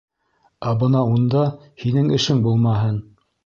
Ә бына унда һинең эшең булмаһын.